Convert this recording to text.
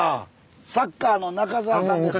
サッカーの中澤さんです。